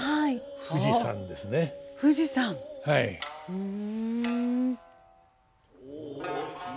ふん。